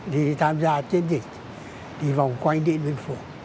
đi tham gia chiến dịch đi vòng quanh điện biên phủ